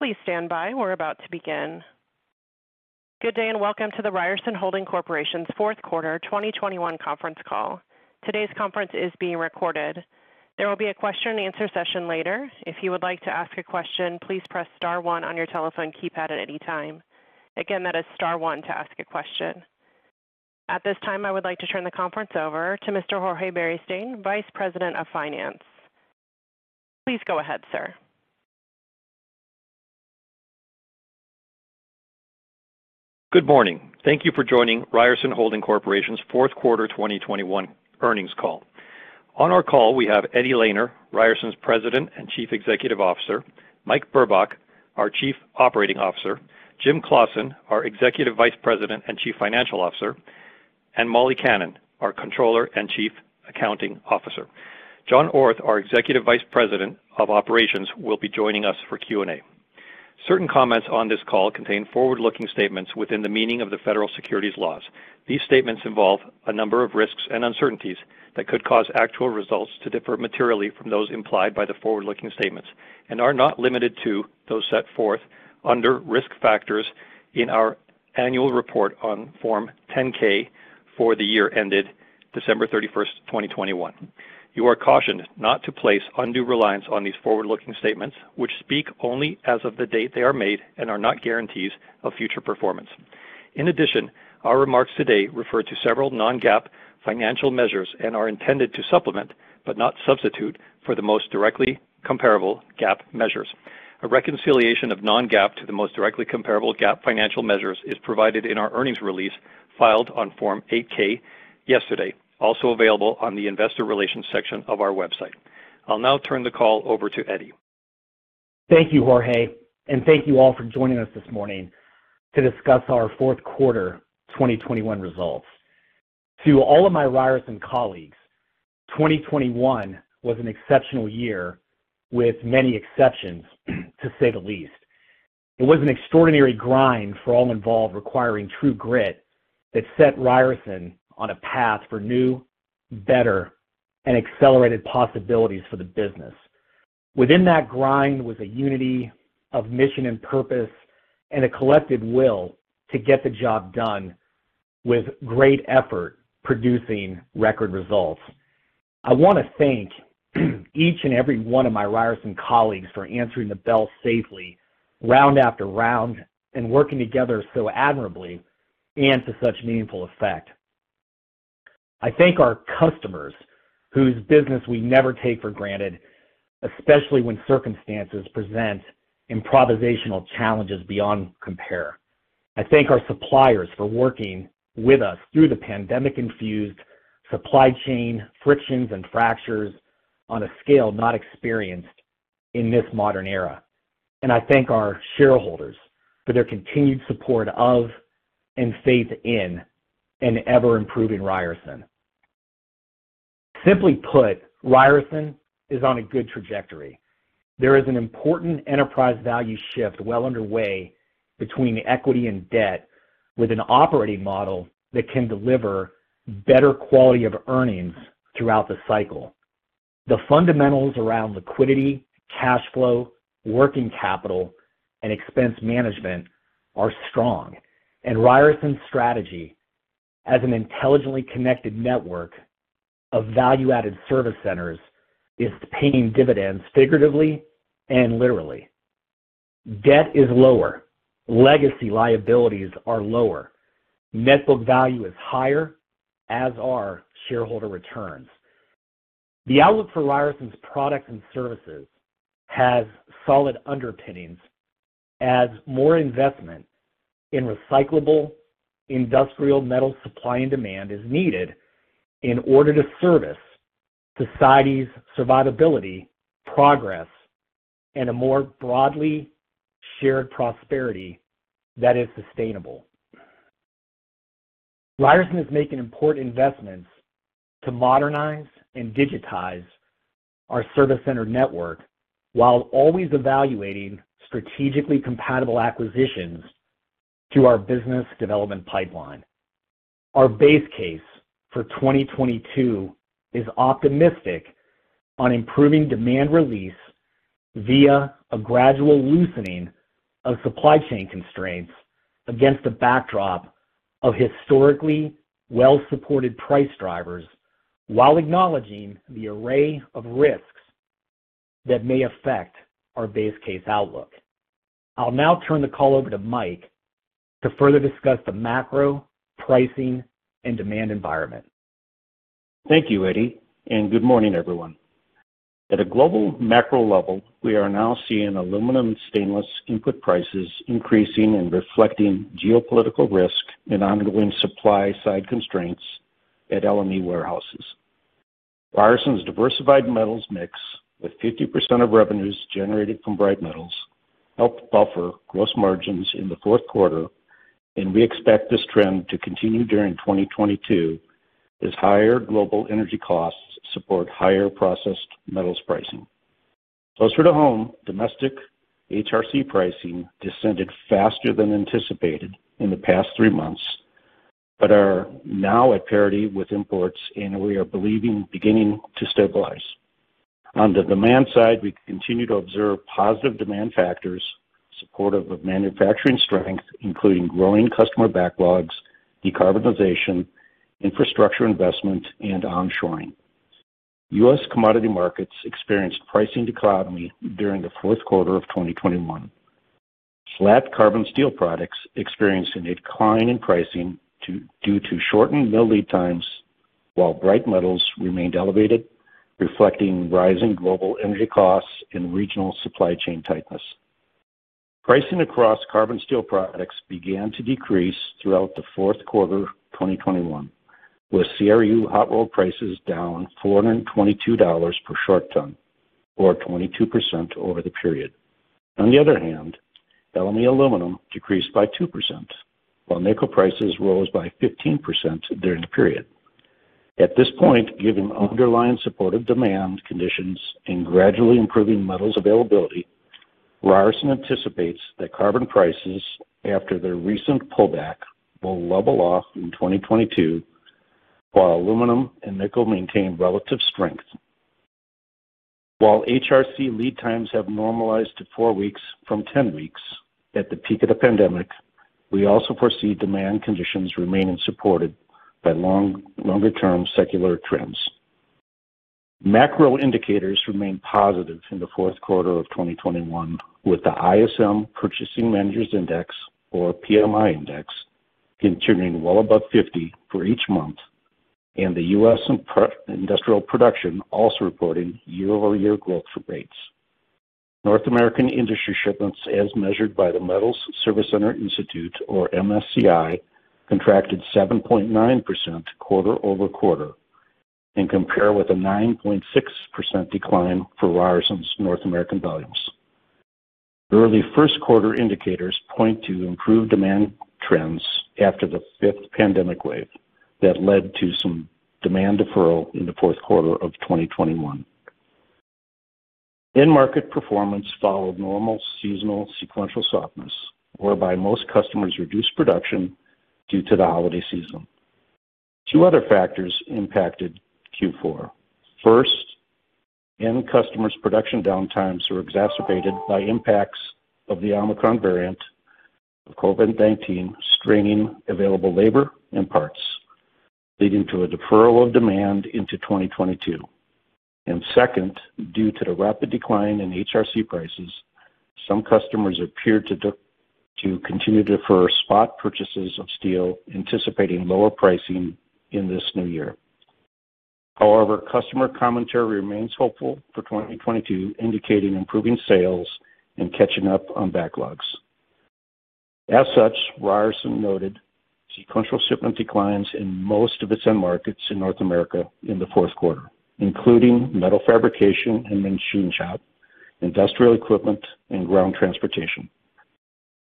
Please stand by. We're about to begin. Good day, and welcome to the Ryerson Holding Corporation's fourth quarter 2021 conference call. Today's conference is being recorded. There will be a question and answer session later. If you would like to ask a question, please press star one on your telephone keypad at any time. Again, that is star one to ask a question. At this time, I would like to turn the conference over to Mr. Jorge Beristain, Vice President of Finance. Please go ahead, sir. Good morning. Thank you for joining Ryerson Holding Corporation's fourth quarter 2021 earnings call. On our call, we have Eddie Lehner, Ryerson's President and Chief Executive Officer, Mike Burbach, our Chief Operating Officer, Jim Claussen, our Executive Vice President and Chief Financial Officer, and Molly Kannan, our Controller and Chief Accounting Officer. John Orth, our Executive Vice President of Operations, will be joining us for Q&A. Certain comments on this call contain forward-looking statements within the meaning of the federal securities laws. These statements involve a number of risks and uncertainties that could cause actual results to differ materially from those implied by the forward-looking statements and are not limited to those set forth under risk factors in our annual report on Form 10-K for the year ended December 31, 2021. You are cautioned not to place undue reliance on these forward-looking statements which speak only as of the date they are made and are not guarantees of future performance. In addition, our remarks today refer to several non-GAAP financial measures and are intended to supplement, but not substitute, for the most directly comparable GAAP measures. A reconciliation of non-GAAP to the most directly comparable GAAP financial measures is provided in our earnings release filed on Form 8-K yesterday, also available on the investor relations section of our website. I'll now turn the call over to Eddie. Thank you, Jorge, and thank you all for joining us this morning to discuss our fourth quarter 2021 results. To all of my Ryerson colleagues, 2021 was an exceptional year with many exceptions, to say the least. It was an extraordinary grind for all involved, requiring true grit that set Ryerson on a path for new, better, and accelerated possibilities for the business. Within that grind was a unity of mission and purpose and a collective will to get the job done with great effort, producing record results. I want to thank each and every one of my Ryerson colleagues for answering the bell safely round after round and working together so admirably and to such meaningful effect. I thank our customers whose business we never take for granted, especially when circumstances present improvisational challenges beyond compare. I thank our suppliers for working with us through the pandemic-infused supply chain frictions and fractures on a scale not experienced in this modern era. I thank our shareholders for their continued support of and faith in an ever-improving Ryerson. Simply put, Ryerson is on a good trajectory. There is an important enterprise value shift well underway between equity and debt, with an operating model that can deliver better quality of earnings throughout the cycle. The fundamentals around liquidity, cash flow, working capital, and expense management are strong, and Ryerson's strategy as an intelligently connected network of value-added service centers is paying dividends, figuratively and literally. Debt is lower. Legacy liabilities are lower. Net book value is higher, as are shareholder returns. The outlook for Ryerson's products and services has solid underpinnings as more investment in recyclable industrial metal supply and demand is needed in order to service society's survivability, progress, and a more broadly shared prosperity that is sustainable. Ryerson is making important investments to modernize and digitize our service center network while always evaluating strategically compatible acquisitions through our business development pipeline. Our base case for 2022 is optimistic on improving demand release via a gradual loosening of supply chain constraints against a backdrop of historically well-supported price drivers, while acknowledging the array of risks that may affect our base case outlook. I'll now turn the call over to Mike to further discuss the macro, pricing, and demand environment. Thank you, Eddie, and good morning, everyone. At a global macro level, we are now seeing aluminum and stainless input prices increasing and reflecting geopolitical risk and ongoing supply-side constraints at LME warehouses. Ryerson's diversified metals mix, with 50% of revenues generated from bright metals, helped buffer gross margins in the fourth quarter, and we expect this trend to continue during 2022 as higher global energy costs support higher processed metals pricing. Closer to home, domestic HRC pricing descended faster than anticipated in the past three months but are now at parity with imports, and we are beginning to stabilize. On the demand side, we continue to observe positive demand factors supportive of manufacturing strength, including growing customer backlogs, decarbonization, infrastructure investment, and onshoring. U.S. commodity markets experienced pricing dichotomy during the fourth quarter of 2021. Flat carbon steel products experienced a decline in pricing due to shortened mill lead times, while bright metals remained elevated, reflecting rising global energy costs and regional supply chain tightness. Pricing across carbon steel products began to decrease throughout the fourth quarter of 2021, with CRU hot roll prices down $422 per short ton or 22% over the period. On the other hand, LME aluminum decreased by 2%, while nickel prices rose by 15% during the period. At this point, given underlying supportive demand conditions and gradually improving metals availability, Ryerson anticipates that carbon prices after their recent pullback will level off in 2022, while aluminum and nickel maintain relative strength. While HRC lead times have normalized to four weeks from 10 weeks at the peak of the pandemic, we also foresee demand conditions remaining supported by longer term secular trends. Macro indicators remained positive in the fourth quarter of 2021, with the ISM Purchasing Managers' Index, or PMI index, continuing well above 50 for each month and the U.S. industrial production also reporting year-over-year growth rates. North American industry shipments as measured by the Metals Service Center Institute, or MSCI, contracted 7.9% quarter-over-quarter compared with a 9.6% decline for Ryerson's North American volumes. Early first quarter indicators point to improved demand trends after the fifth pandemic wave that led to some demand deferral in the fourth quarter of 2021. End market performance followed normal seasonal sequential softness, whereby most customers reduced production due to the holiday season. Two other factors impacted Q4. First, end customers' production downtimes were exacerbated by impacts of the Omicron variant of COVID-19, straining available labor and parts, leading to a deferral of demand into 2022. Second, due to the rapid decline in HRC prices, some customers appeared to continue to defer spot purchases of steel, anticipating lower pricing in this new year. However, customer commentary remains hopeful for 2022, indicating improving sales and catching up on backlogs. As such, Ryerson noted sequential shipment declines in most of its end markets in North America in the fourth quarter, including metal fabrication and machine shop, industrial equipment, and ground transportation.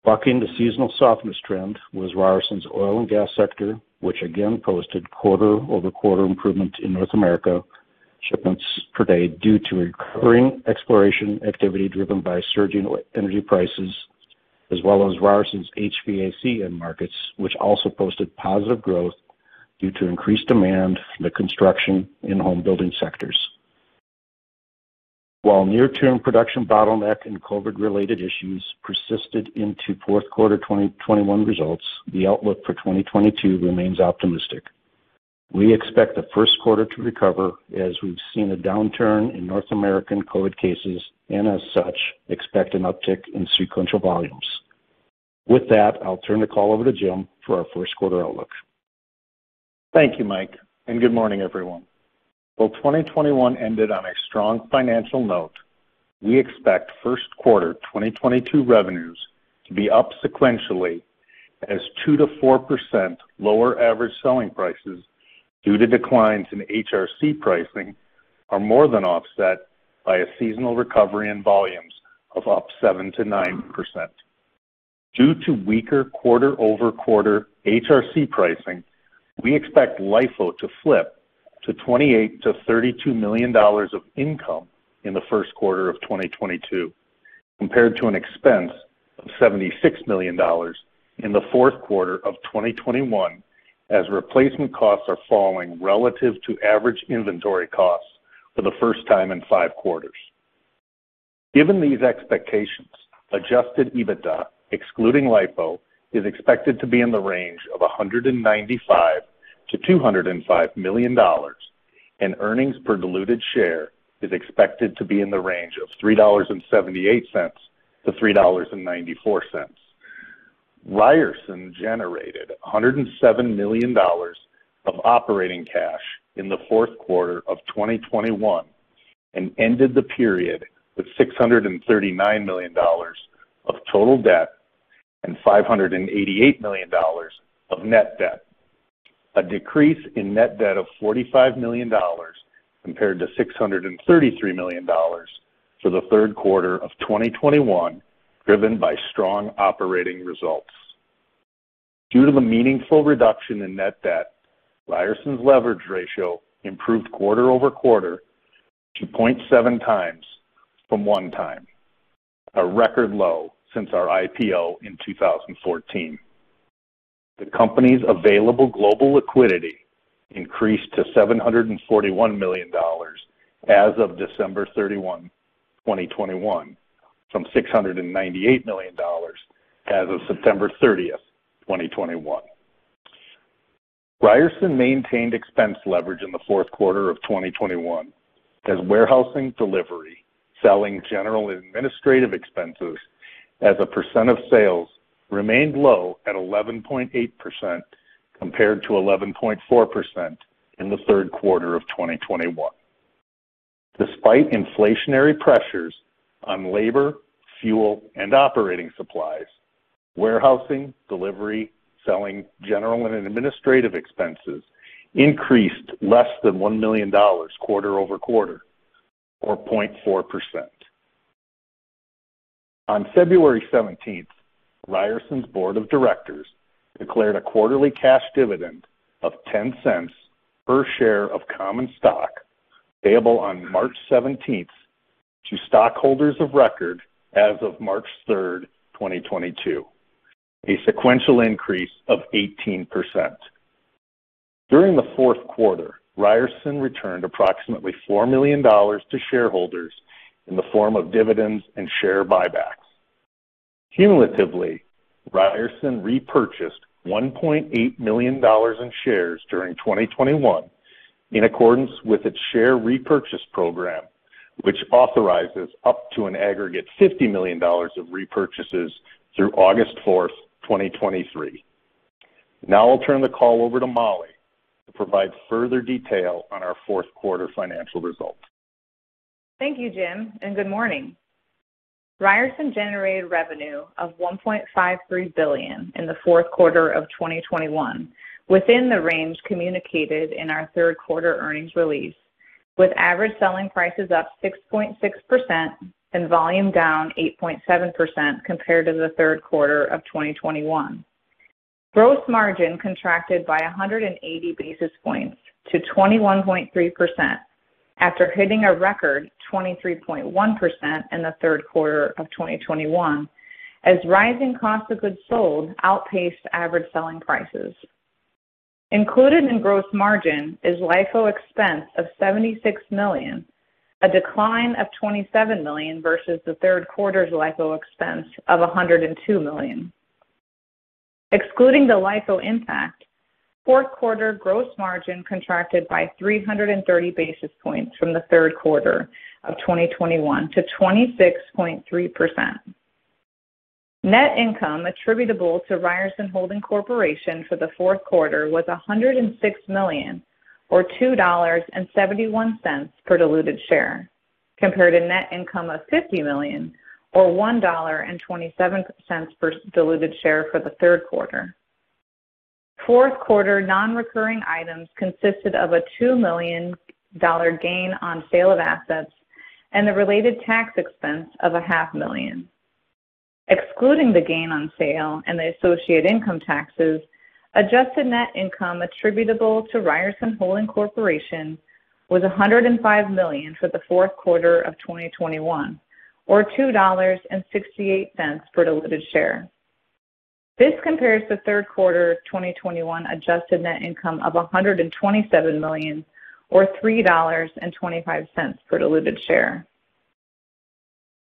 Bucking the seasonal softness trend was Ryerson's oil and gas sector, which again posted quarter-over-quarter improvement in North America shipments per day due to recovering exploration activity driven by surging energy prices as well as Ryerson's HVAC end markets, which also posted positive growth due to increased demand from the construction and home building sectors. While near-term production bottleneck and COVID-related issues persisted into fourth quarter 2021 results, the outlook for 2022 remains optimistic. We expect the first quarter to recover as we've seen a downturn in North American COVID cases and as such, expect an uptick in sequential volumes. With that, I'll turn the call over to Jim for our first quarter outlook. Thank you, Mike, and good morning, everyone. While 2021 ended on a strong financial note, we expect first quarter 2022 revenues to be up sequentially as 2%-4% lower average selling prices due to declines in HRC pricing are more than offset by a seasonal recovery in volumes of up 7%-9%. Due to weaker quarter-over-quarter HRC pricing, we expect LIFO to flip to $28 million-$32 million of income in the first quarter of 2022 compared to an expense of $76 million in the fourth quarter of 2021 as replacement costs are falling relative to average inventory costs for the first time in 5 quarters. Given these expectations, adjusted EBITDA, excluding LIFO, is expected to be in the range of $195 million-$205 million, and earnings per diluted share is expected to be in the range of $3.78-$3.94. Ryerson generated $107 million of operating cash in the fourth quarter of 2021 and ended the period with $639 million of total debt and $588 million of net debt, a decrease in net debt of $45 million compared to $633 million for the third quarter of 2021, driven by strong operating results. Due to the meaningful reduction in net debt, Ryerson's leverage ratio improved quarter-over-quarter to 0.7 times from 1 time. A record low since our IPO in 2014. The company's available global liquidity increased to $741 million as of December 31, 2021, from $698 million as of September 30, 2021. Ryerson maintained expense leverage in the fourth quarter of 2021 as warehousing, delivery, selling, general, and administrative expenses as a percent of sales remained low at 11.8% compared to 11.4% in the third quarter of 2021. Despite inflationary pressures on labor, fuel, and operating supplies, warehousing, delivery, selling, and administrative expenses increased less than $1 million quarter-over-quarter, or 0.4%. On February 17, Ryerson's board of directors declared a quarterly cash dividend of $0.10 per share of common stock payable on March 17 to stockholders of record as of March 3, 2022, a sequential increase of 18%. During the fourth quarter, Ryerson returned approximately $4 million to shareholders in the form of dividends and share buybacks. Cumulatively, Ryerson repurchased $1.8 million in shares during 2021 in accordance with its share repurchase program, which authorizes up to an aggregate $50 million of repurchases through August 4, 2023. Now I'll turn the call over to Molly to provide further detail on our fourth quarter financial results. Thank you, Jim, and good morning. Ryerson generated revenue of $1.53 billion in the fourth quarter of 2021 within the range communicated in our third quarter earnings release, with average selling prices up 6.6% and volume down 8.7% compared to the third quarter of 2021. Gross margin contracted by 180 basis points to 21.3% after hitting a record 23.1% in the third quarter of 2021 as rising cost of goods sold outpaced average selling prices. Included in gross margin is LIFO expense of $76 million, a decline of $27 million versus the third quarter's LIFO expense of $102 million. Excluding the LIFO impact, fourth quarter gross margin contracted by 330 basis points from the third quarter of 2021 to 26.3%. Net income attributable to Ryerson Holding Corporation for the fourth quarter was $106 million or $2.71 per diluted share, compared to net income of $50 million or $1.27 per diluted share for the third quarter. Fourth quarter non-recurring items consisted of a $2 million gain on sale of assets and the related tax expense of $0.5 million. Excluding the gain on sale and the associated income taxes, adjusted net income attributable to Ryerson Holding Corporation was $105 million for the fourth quarter of 2021, or $2.68 per diluted share. This compares to third quarter of 2021 adjusted net income of $127 million or $3.25 per diluted share.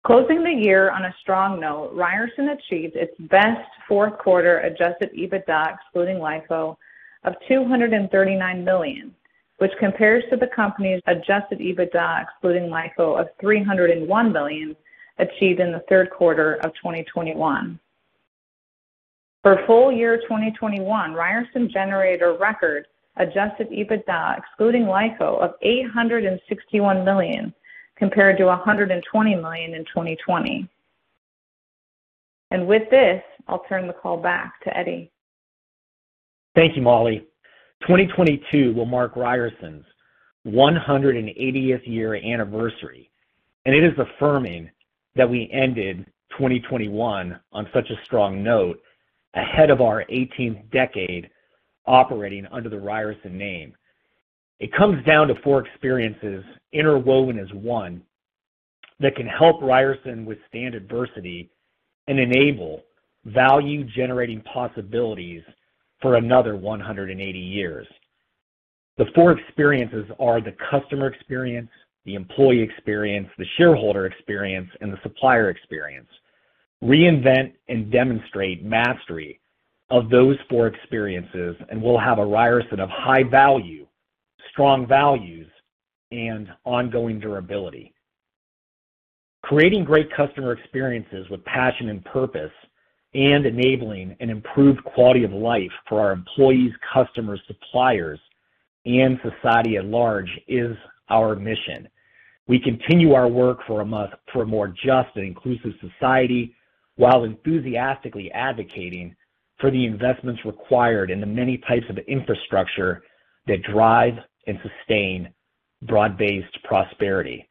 Closing the year on a strong note, Ryerson achieved its best fourth quarter adjusted EBITDA excluding LIFO of $239 million, which compares to the company's adjusted EBITDA excluding LIFO of $301 million achieved in the third quarter of 2021. For full year 2021, Ryerson generated a record adjusted EBITDA excluding LIFO of $861 million compared to $120 million in 2020. With this, I'll turn the call back to Eddie. Thank you, Molly. 2022 will mark Ryerson's 180th year anniversary, and it is affirming that we ended 2021 on such a strong note ahead of our 18th decade operating under the Ryerson name. It comes down to four experiences interwoven as one that can help Ryerson withstand adversity and enable value-generating possibilities for another 180 years. The four experiences are the customer experience, the employee experience, the shareholder experience, and the supplier experience. Reinvent and demonstrate mastery of those four experiences, and we'll have a Ryerson of high value, strong values, and ongoing durability. Creating great customer experiences with passion and purpose and enabling an improved quality of life for our employees, customers, suppliers, and society at large is our mission. We continue our work for a more just and inclusive society while enthusiastically advocating for the investments required in the many types of infrastructure that drive and sustain broad-based prosperity.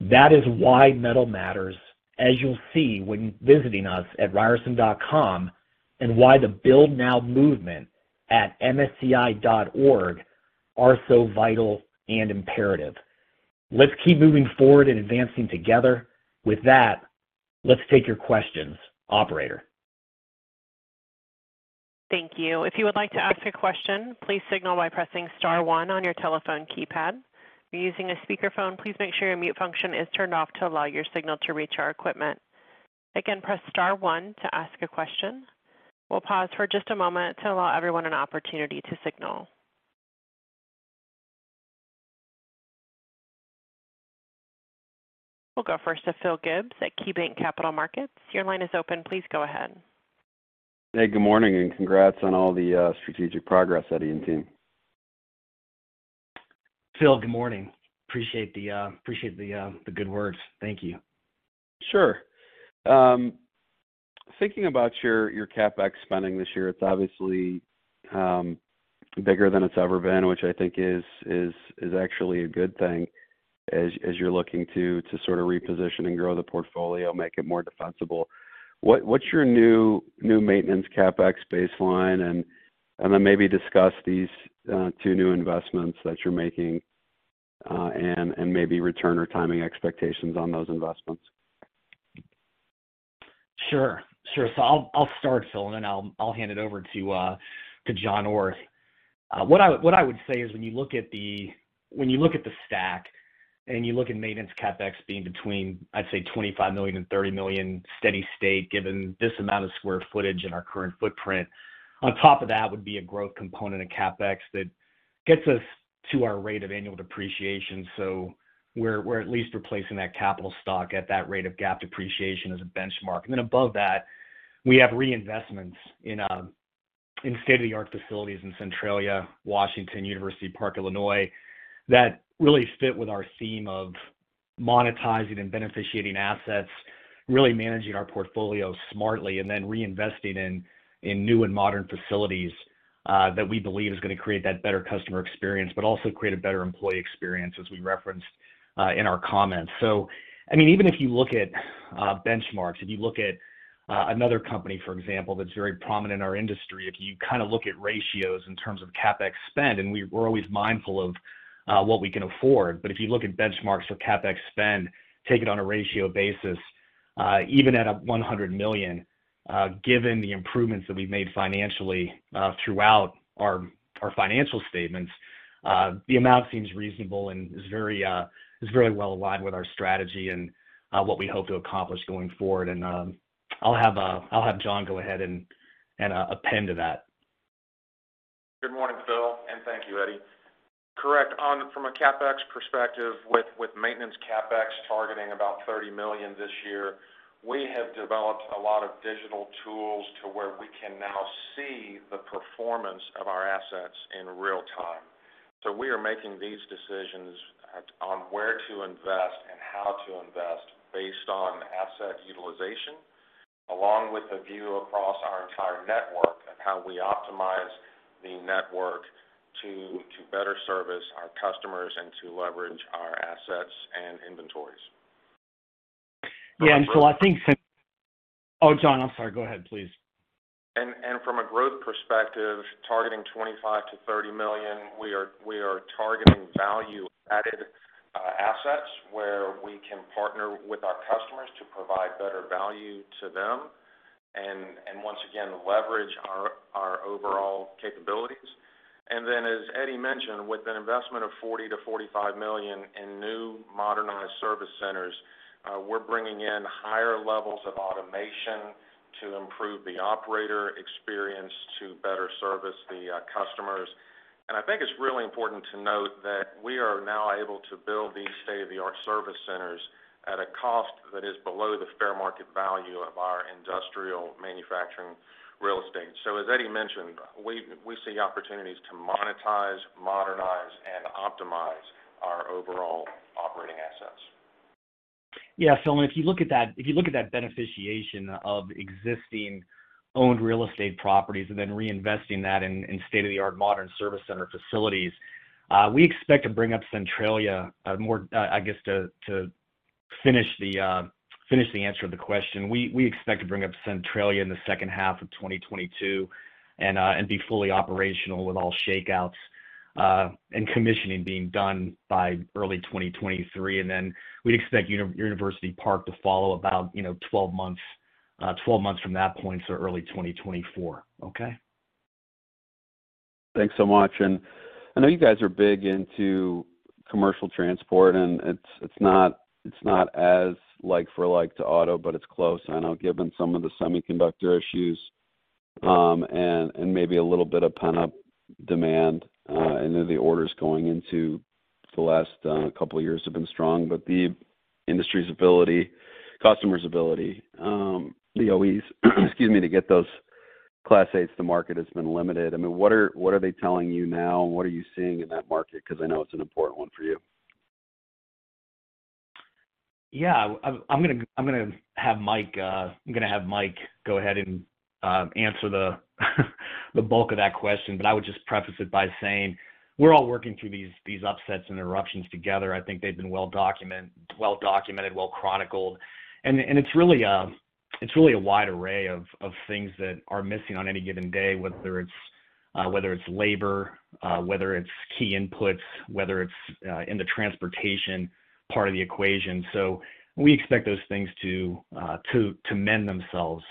That is why metal matters, as you'll see when visiting us at ryerson.com and why the Build Now movement at msci.org are so vital and imperative. Let's keep moving forward and advancing together. With that, let's take your questions. Operator. Thank you. If you would like to ask a question, please signal by pressing star one on your telephone keypad. If you're using a speakerphone, please make sure your mute function is turned off to allow your signal to reach our equipment. Again, press star one to ask a question. We'll pause for just a moment to allow everyone an opportunity to signal. We'll go first to Phil Gibbs at KeyBanc Capital Markets. Your line is open. Please go ahead. Hey, good morning, and congrats on all the strategic progress, Eddie and team. Phil, good morning. Appreciate the good words. Thank you. Sure. Thinking about your CapEx spending this year, it's obviously bigger than it's ever been, which I think is actually a good thing as you're looking to sort of reposition and grow the portfolio, make it more defensible. What's your new maintenance CapEx baseline? And then maybe discuss these two new investments that you're making, and maybe return or timing expectations on those investments. Sure. I'll start, Phil, and then I'll hand it over to John Orth. What I would say is when you look at the stack and you look at maintenance CapEx being between, I'd say, $25 million-$30 million steady state given this amount of square footage in our current footprint, on top of that would be a growth component of CapEx that gets us to our rate of annual depreciation. We're at least replacing that capital stock at that rate of GAAP depreciation as a benchmark. Then above that, we have reinvestments in state-of-the-art facilities in Centralia, Washington, University Park, Illinois, that really fit with our theme of monetizing and beneficiating assets, really managing our portfolio smartly and then reinvesting in new and modern facilities that we believe is gonna create that better customer experience, but also create a better employee experience as we referenced in our comments. I mean, even if you look at benchmarks, if you look at another company, for example, that's very prominent in our industry, if you kind of look at ratios in terms of CapEx spend, and we're always mindful of what we can afford. If you look at benchmarks for CapEx spend, take it on a ratio basis, even at a $100 million, given the improvements that we've made financially, throughout our financial statements, the amount seems reasonable and is very well aligned with our strategy and what we hope to accomplish going forward. I'll have John go ahead and append to that. Good morning, Phil, and thank you, Eddie. Correct. From a CapEx perspective, with maintenance CapEx targeting about $30 million this year, we have developed a lot of digital tools to where we can now see the performance of our assets in real time. We are making these decisions on where to invest and how to invest based on asset utilization, along with a view across our entire network of how we optimize the network to better service our customers and to leverage our assets and inventories. Yeah. I think. Oh, John, I'm sorry. Go ahead, please. From a growth perspective, targeting $25 million-$30 million, we are targeting value-added assets where we can partner with our customers to provide better value to them and once again leverage our overall capabilities. Then, as Eddie mentioned, with an investment of $40 million-$45 million in new modernized service centers, we're bringing in higher levels of automation to improve the operator experience to better service the customers. I think it's really important to note that we are now able to build these state-of-the-art service centers at a cost that is below the fair market value of our industrial manufacturing real estate. As Eddie mentioned, we see opportunities to monetize, modernize, and optimize our overall operating assets. Yeah. Phil, if you look at that beneficiation of existing owned real estate properties and then reinvesting that in state-of-the-art modern service center facilities, we expect to bring up Centralia more, I guess to finish the answer to the question. We expect to bring up Centralia in the second half of 2022 and be fully operational with all shakeouts and commissioning being done by early 2023. We'd expect University Park to follow about, you know, 12 months from that point, so early 2024. Okay? Thanks so much. I know you guys are big into commercial transport, and it's not as like for like to auto, but it's close. I know given some of the semiconductor issues, and maybe a little bit of pent-up demand, and then the orders going into the last couple of years have been strong. The industry's ability, customer's ability, the OEs, excuse me, to get those Class 8s to market has been limited. I mean, what are they telling you now? What are you seeing in that market? Because I know it's an important one for you. Yeah. I'm gonna have Mike go ahead and answer the bulk of that question, but I would just preface it by saying we're all working through these upsets and eruptions together. I think they've been well documented, well chronicled. It's really a wide array of things that are missing on any given day, whether it's labor, whether it's key inputs, whether it's in the transportation part of the equation. We expect those things to mend themselves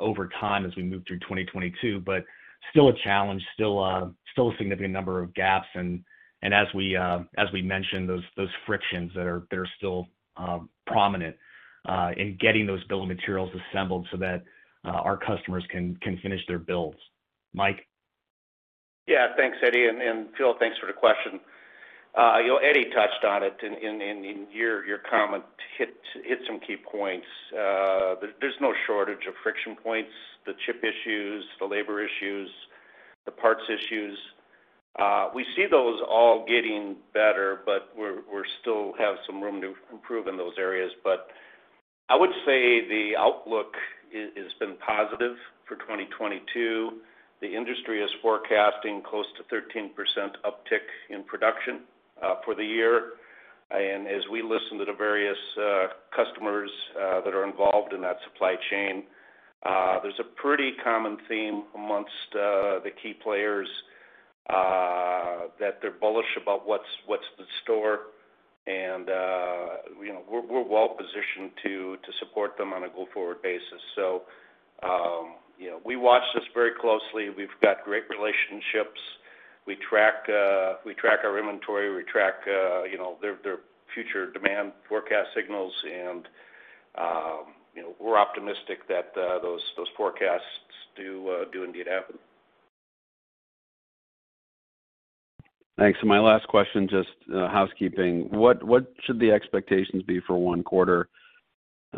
over time as we move through 2022. Still a challenge, a significant number of gaps, and as we mentioned, those frictions that are still prominent in getting those bill of materials assembled so that our customers can finish their builds. Mike? Yeah. Thanks, Eddie. Phil, thanks for the question. You know, Eddie touched on it in your comment hit some key points. There's no shortage of friction points, the chip issues, the labor issues, the parts issues. We see those all getting better, but we're still have some room to improve in those areas. I would say the outlook has been positive for 2022. The industry is forecasting close to 13% uptick in production for the year. As we listen to the various customers that are involved in that supply chain, there's a pretty common theme among the key players that they're bullish about what's in store. You know, we're well-positioned to support them on a go-forward basis. You know, we watch this very closely. We've got great relationships. We track our inventory. We track you know, their future demand forecast signals. You know, we're optimistic that those forecasts do indeed happen. Thanks. My last question, just housekeeping. What should the expectations be for one quarter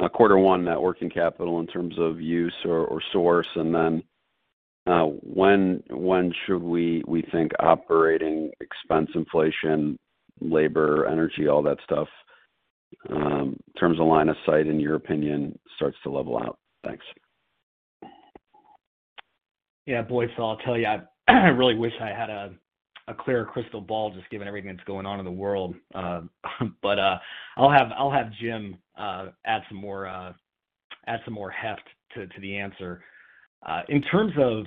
one net working capital in terms of use or source? When should we think operating expense inflation, labor, energy, all that stuff, in terms of line of sight, in your opinion, starts to level out? Thanks. Yeah. Boy, Phil, I'll tell you, I really wish I had a clear crystal ball just given everything that's going on in the world. I'll have Jim add some more heft to the answer. In terms of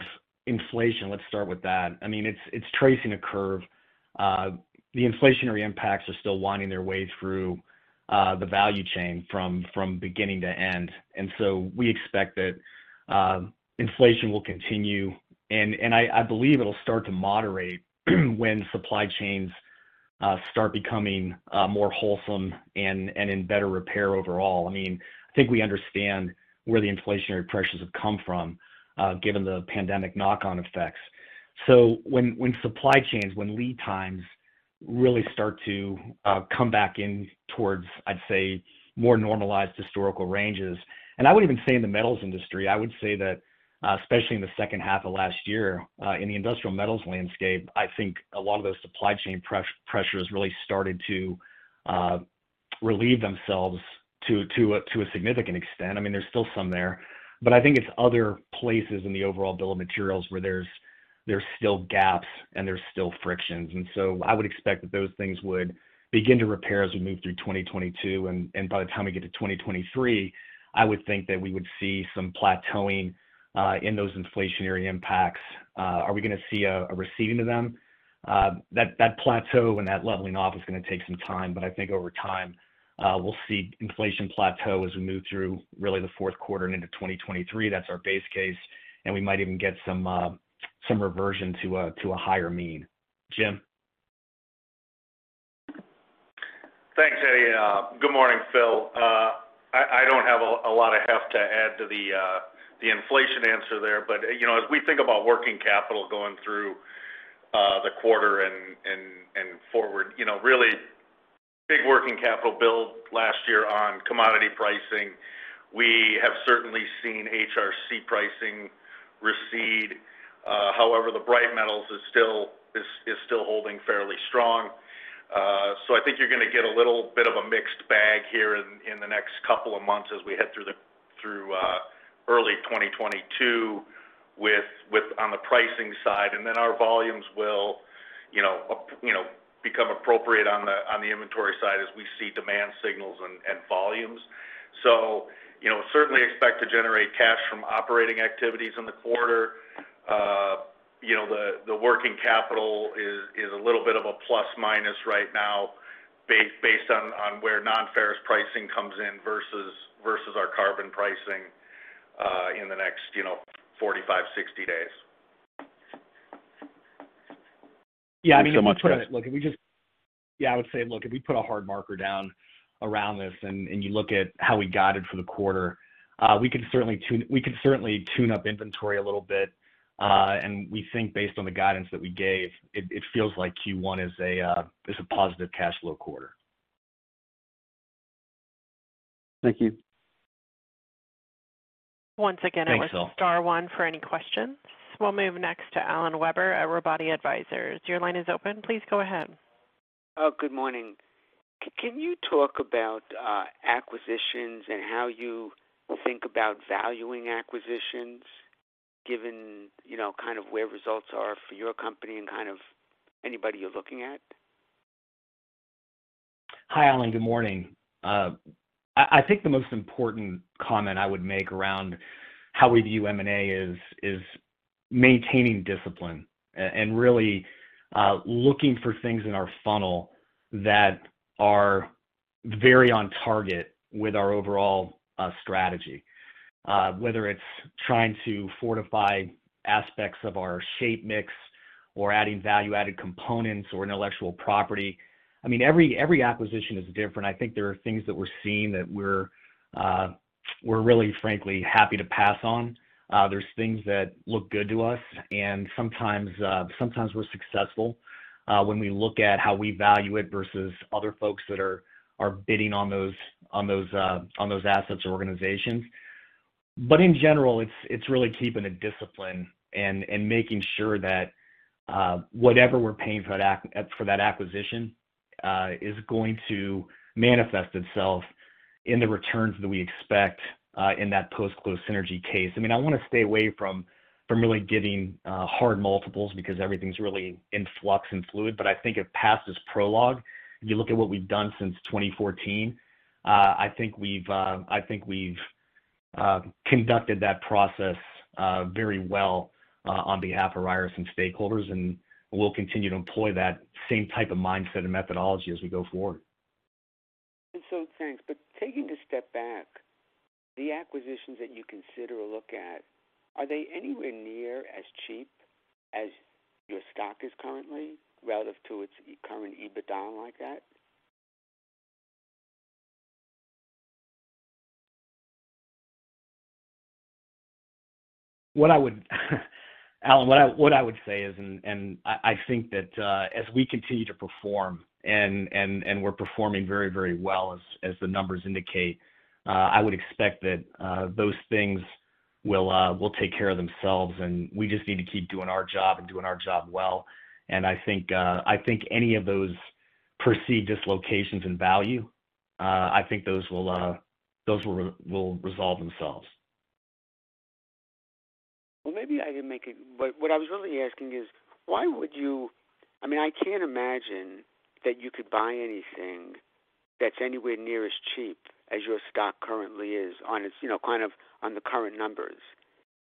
inflation, let's start with that. I mean, it's tracing a curve. The inflationary impacts are still winding their way through the value chain from beginning to end. We expect that inflation will continue. I believe it'll start to moderate when supply chains start becoming more wholesome and in better repair overall. I mean, I think we understand where the inflationary pressures have come from, given the pandemic knock-on effects. When supply chains and lead times really start to come back in towards, I'd say, more normalized historical ranges. I would even say in the metals industry, I would say that, especially in the second half of last year, in the industrial metals landscape, I think a lot of those supply chain pressures really started to relieve themselves to a significant extent. I mean, there's still some there, but I think it's other places in the overall bill of materials where there's still gaps, and there's still frictions. I would expect that those things would begin to repair as we move through 2022. By the time we get to 2023, I would think that we would see some plateauing in those inflationary impacts. Are we gonna see a reversion to the mean? That plateau and that leveling off is gonna take some time, but I think over time, we'll see inflation plateau as we move through really the fourth quarter and into 2023. That's our base case, and we might even get some reversion to a higher mean. Jim? Thanks, Eddie. Good morning, Phil. I don't have a lot of heft to add to the inflation answer there. You know, as we think about working capital going through the quarter and forward, you know, really big working capital build last year on commodity pricing. We have certainly seen HRC pricing recede. However, the bright metals is still holding fairly strong. I think you're gonna get a little bit of a mixed bag here in the next couple of months as we head through early 2022 with on the pricing side. Then our volumes will, you know, become appropriate on the inventory side as we see demand signals and volumes. You know, certainly expect to generate cash from operating activities in the quarter. You know, the working capital is a little bit of a plus/minus right now based on where non-ferrous pricing comes in versus our carbon pricing in the next, you know, 45, 60 days. Thank you so much, guys. I mean, I would say, look, if we put a hard marker down around this, and you look at how we guided for the quarter, we could certainly tune up inventory a little bit. We think based on the guidance that we gave, it feels like Q1 is a positive cash flow quarter. Thank you. Once again. Thanks, Phil. We'll move next to Alan Weber at Robotti & Company Advisors. Your line is open. Please go ahead. Oh, good morning. Can you talk about acquisitions and how you think about valuing acquisitions given, you know, kind of where results are for your company and kind of anybody you're looking at? Hi, Alan. Good morning. I think the most important comment I would make around how we view M&A is maintaining discipline and really looking for things in our funnel that are very on target with our overall strategy. Whether it's trying to fortify aspects of our shape mix or adding value-added components or intellectual property. I mean, every acquisition is different. I think there are things that we're seeing that we're really frankly happy to pass on. There's things that look good to us and sometimes we're successful when we look at how we value it versus other folks that are bidding on those assets or organizations. In general, it's really keeping a discipline and making sure that whatever we're paying for that acquisition is going to manifest itself in the returns that we expect in that post-close synergy case. I mean, I wanna stay away from really giving hard multiples because everything's really in flux and fluid, but I think if past is prologue, if you look at what we've done since 2014, I think we've conducted that process very well on behalf of Ryerson stakeholders, and we'll continue to employ that same type of mindset and methodology as we go forward. Thanks. Taking a step back, the acquisitions that you consider or look at, are they anywhere near as cheap as your stock is currently relative to its current EBITDA and like that? Alan, what I would say is, I think that as we continue to perform and we're performing very well as the numbers indicate, I would expect that those things will take care of themselves, and we just need to keep doing our job and doing our job well. I think any of those perceived dislocations in value, I think those will resolve themselves. Well, maybe I didn't make it. What I was really asking is, why would you I mean, I can't imagine that you could buy anything that's anywhere near as cheap as your stock currently is on its, you know, kind of on the current numbers.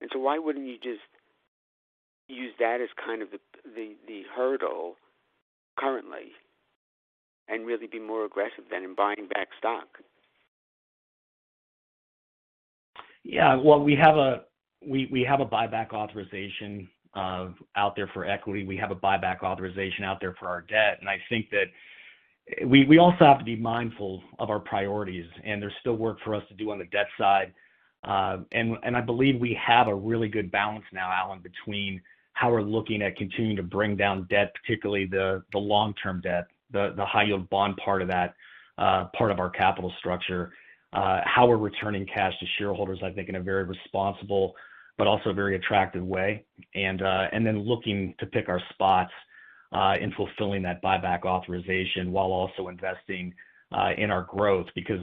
And so why wouldn't you just use that as kind of the hurdle currently and really be more aggressive than in buying back stock? Yeah. Well, we have a buyback authorization out there for equity. We have a buyback authorization out there for our debt. I think that we also have to be mindful of our priorities, and there's still work for us to do on the debt side. I believe we have a really good balance now, Alan, between how we're looking at continuing to bring down debt, particularly the long-term debt, the high-yield bond part of that part of our capital structure, how we're returning cash to shareholders, I think, in a very responsible but also very attractive way, and then looking to pick our spots in fulfilling that buyback authorization while also investing in our growth. Because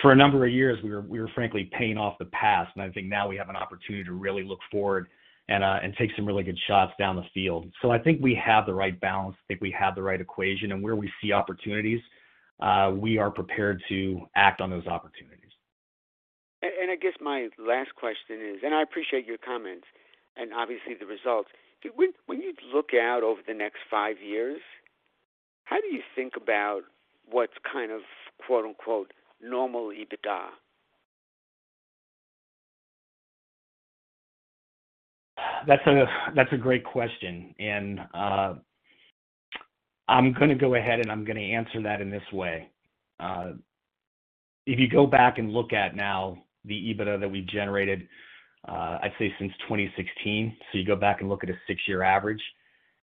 for a number of years, we were frankly paying off the past. I think now we have an opportunity to really look forward and take some really good shots down the field. I think we have the right balance. I think we have the right equation. Where we see opportunities, we are prepared to act on those opportunities. I guess my last question is. I appreciate your comments and obviously the results. When you look out over the next five years, how do you think about what's kind of, quote-unquote, "normal EBITDA"? That's a great question. I'm gonna go ahead, and I'm gonna answer that in this way. If you go back and look at our EBITDA that we've generated, I'd say since 2016, so you go back and look at a six-year average,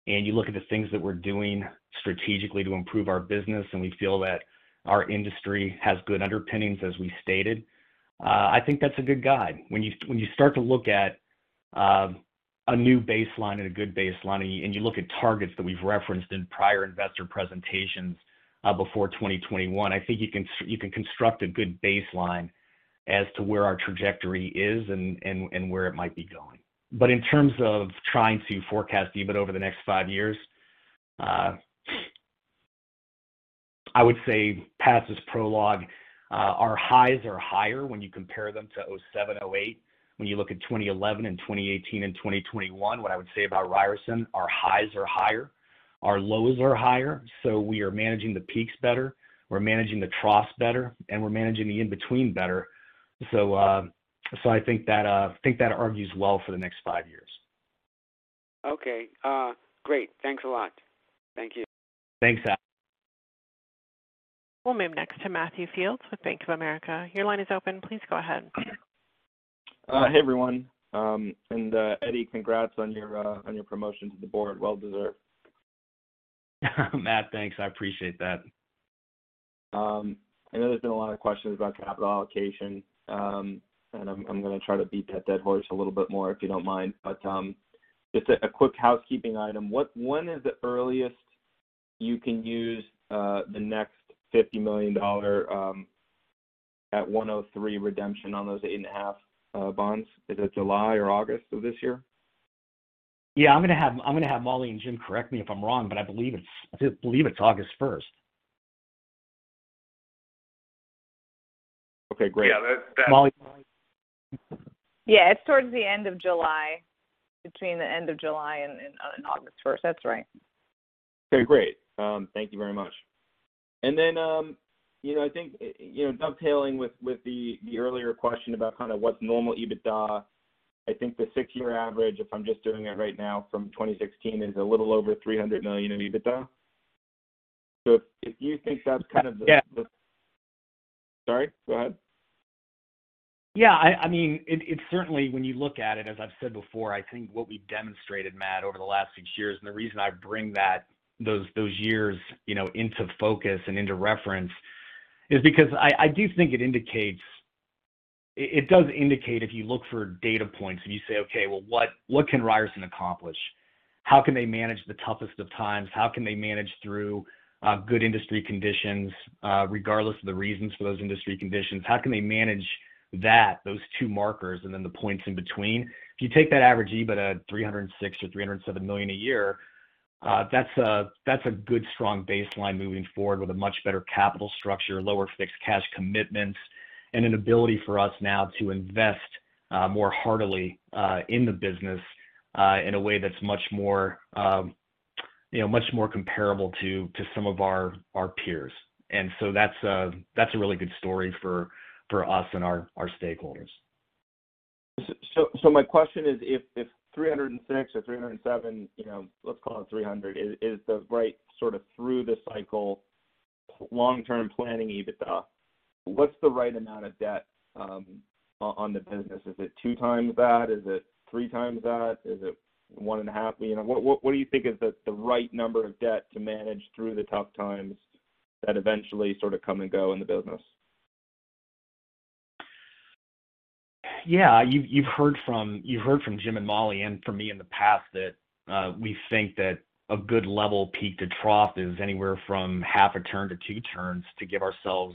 and you look at the things that we're doing strategically to improve our business, and we feel that our industry has good underpinnings, as we stated, I think that's a good guide. When you start to look at a new baseline and a good baseline and you look at targets that we've referenced in prior investor presentations, before 2021, I think you can construct a good baseline as to where our trajectory is and where it might be going. In terms of trying to forecast EBITDA over the next five years, I would say past is prologue. Our highs are higher when you compare them to 2007, 2008. When you look at 2011 and 2018 and 2021, what I would say about Ryerson, our highs are higher, our lows are higher, so we are managing the peaks better, we're managing the troughs better, and we're managing the in-between better. I think that argues well for the next five years. Okay. Great. Thanks a lot. Thank you. Thanks, Alan. We'll move next to Matthew Fields with Bank of America. Your line is open. Please go ahead. Hey, everyone. Eddie, congrats on your promotion to the board. Well deserved. Matthew, thanks. I appreciate that. I know there's been a lot of questions about capital allocation, and I'm gonna try to beat that dead horse a little bit more, if you don't mind. Just a quick housekeeping item. When is the earliest you can use the next $50 million at 103 redemption on those 8.5 bonds? Is it July or August of this year? Yeah, I'm gonna have Molly and Jim correct me if I'm wrong, but I believe it's August first. Okay, great. Yeah, that's. Molly? Yeah. It's towards the end of July. Between the end of July and August first. That's right. Okay, great. Thank you very much. Then, you know, I think you know, dovetailing with the earlier question about kinda what's normal EBITDA, I think the six-year average, if I'm just doing it right now from 2016, is a little over $300 million in EBITDA. If you think that's kind of the- Yeah. Sorry. Go ahead. Yeah, I mean, it's certainly when you look at it, as I've said before, I think what we demonstrated, Matt, over the last six years, and the reason I bring those years, you know, into focus and into reference, is because I do think it indicates. It does indicate if you look for data points and you say, "Okay, well what can Ryerson accomplish? How can they manage the toughest of times? How can they manage through good industry conditions, regardless of the reasons for those industry conditions? How can they manage that, those two markers, and then the points in between?" If you take that average EBITDA, $306 million or $307 million a year, that's a good strong baseline moving forward with a much better capital structure, lower fixed cash commitments, and an ability for us now to invest more heartily in the business in a way that's much more, you know, much more comparable to some of our peers. That's a really good story for us and our stakeholders. My question is if 306 or 307, you know, let's call it 300, is the right sort of through the cycle long-term planning EBITDA, what's the right amount of debt on the business? Is it 2x that? Is it 3x that? Is it 1.5? You know, what do you think is the right number of debt to manage through the tough times that eventually sort of come and go in the business? Yeah. You've heard from Jim and Molly and from me in the past that we think that a good level peak to trough is anywhere from half a turn to two turns to give ourselves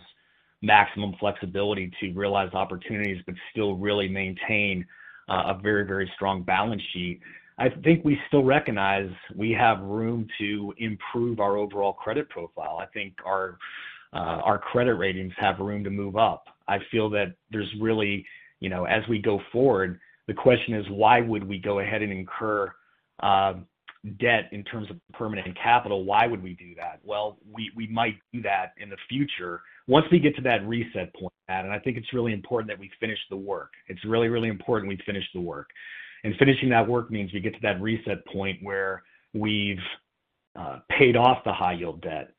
maximum flexibility to realize opportunities, but still really maintain a very strong balance sheet. I think we still recognize we have room to improve our overall credit profile. I think our credit ratings have room to move up. I feel that there's really, you know, as we go forward, the question is why would we go ahead and incur debt in terms of permanent capital? Why would we do that? Well, we might do that in the future once we get to that reset point, Matt, and I think it's really important that we finish the work. It's really, really important we finish the work. Finishing that work means we get to that reset point where we've paid off the high yield debt.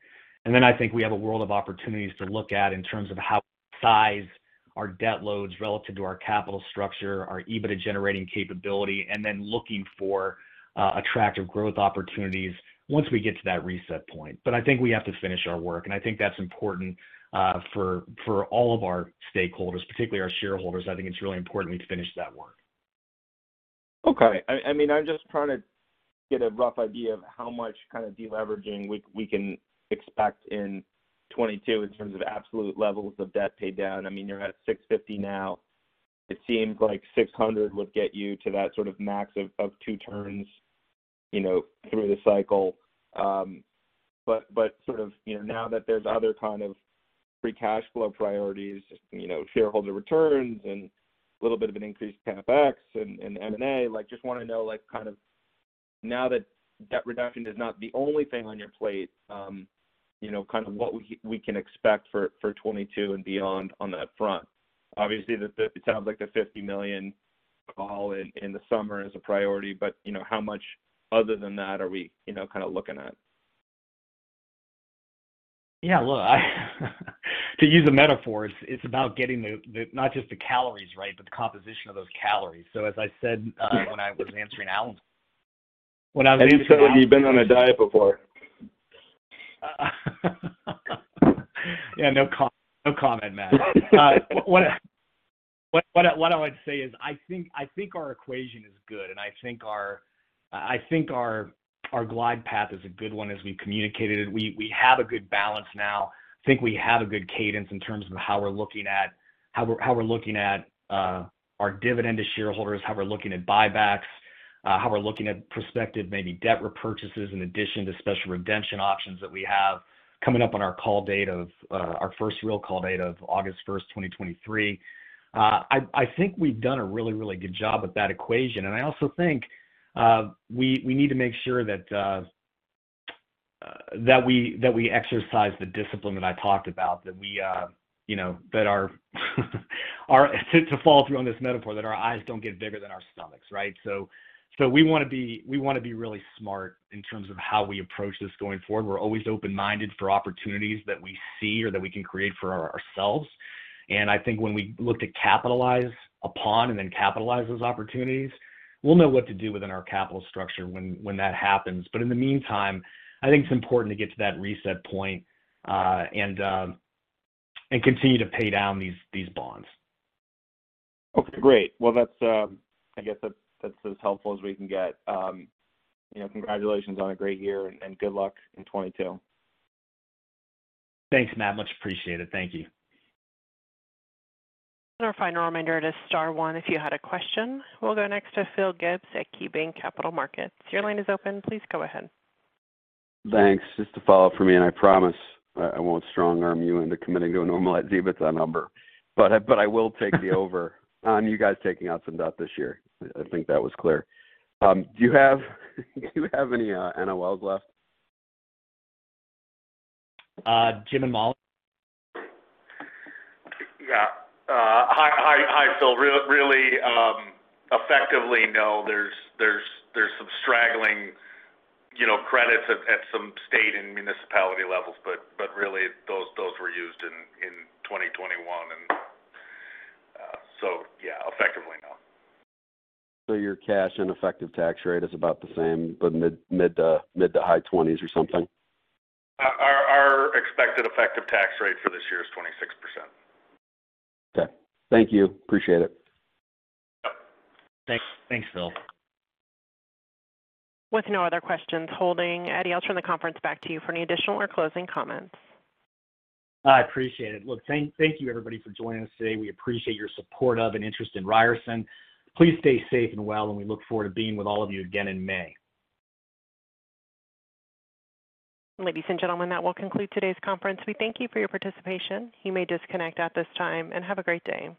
Then I think we have a world of opportunities to look at in terms of how we size our debt loads relative to our capital structure, our EBITDA generating capability, and then looking for attractive growth opportunities once we get to that reset point. I think we have to finish our work, and I think that's important for all of our stakeholders, particularly our shareholders. I think it's really important we finish that work. Okay. I mean, I'm just trying to get a rough idea of how much kind of deleveraging we can expect in 2022 in terms of absolute levels of debt paid down. I mean, you're at $650 now. It seems like $600 would get you to that sort of max of two turns, you know, through the cycle. But sort of, you know, now that there's other kind of free cash flow priorities, you know, shareholder returns and little bit of an increased CapEx and M&A, like, just wanna know, like, kind of now that debt reduction is not the only thing on your plate, you know, kind of what we can expect for 2022 and beyond on that front. Obviously, it sounds like the $50 million call in the summer is a priority, but you know, how much other than that are we, you know, kinda looking at? Yeah. Look, to use a metaphor, it's about getting the not just the calories right, but the composition of those calories. As I said, when I was answering Alan. You've said you've been on a diet before. Yeah, no comment, Matt. What I would say is I think our equation is good, and I think our glide path is a good one as we've communicated. We have a good balance now. I think we have a good cadence in terms of how we're looking at our dividend to shareholders, how we're looking at buybacks, how we're looking at prospective maybe debt repurchases in addition to special redemption options that we have coming up on our first real call date of August 1, 2023. I think we've done a really good job with that equation, and I also think we need to make sure that we exercise the discipline that I talked about. That we you know that our eyes don't get bigger than our stomachs, right? To follow through on this metaphor. We wanna be really smart in terms of how we approach this going forward. We're always open-minded for opportunities that we see or that we can create for ourselves. I think when we look to capitalize upon and then capitalize those opportunities, we'll know what to do within our capital structure when that happens. In the meantime, I think it's important to get to that reset point and continue to pay down these bonds. Okay, great. Well, that's, I guess that's as helpful as we can get. You know, congratulations on a great year, and good luck in 2022. Thanks, Matt. Much appreciated. Thank you. Our final reminder to star one if you had a question. We'll go next to Phil Gibbs at KeyBanc Capital Markets. Your line is open. Please go ahead. Thanks. Just a follow-up from me, and I promise I won't strong arm you into committing to a normalized EBITDA number. I will take the over on you guys taking out some debt this year. I think that was clear. Do you have any NOLs left? Jim and Molly? Yeah. Hi, Phil. Really, effectively, no. There's some straggling, you know, credits at some state and municipality levels, but really those were used in 2021 and yeah, effectively no. Your cash and effective tax rate is about the same, but mid- to high twenties or something? Our expected effective tax rate for this year is 26%. Okay. Thank you. Appreciate it. Bye. Thanks. Thanks, Phil. With no other questions holding, Eddie, I'll turn the conference back to you for any additional or closing comments. I appreciate it. Look, thank you everybody for joining us today. We appreciate your support of and interest in Ryerson. Please stay safe and well, and we look forward to being with all of you again in May. Ladies and gentlemen, that will conclude today's conference. We thank you for your participation. You may disconnect at this time, and have a great day.